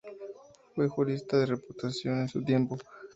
Fue un jurista de reputación en su tiempo.